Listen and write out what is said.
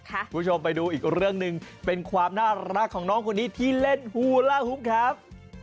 คุณผู้ชมไปดูอีกเรื่องหนึ่งเป็นความน่ารักของน้องคนนี้ที่เล่นฮูล่าหุ้มครับ